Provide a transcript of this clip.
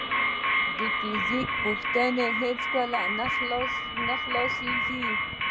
د فزیک پوښتنې هیڅکله نه خلاصېږي.